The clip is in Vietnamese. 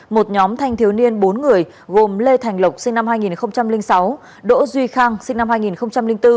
một nhóm thanh thiếu niên bốn người gồm lê thành lộc sinh năm hai nghìn sáu đỗ duy khang sinh năm hai nghìn bốn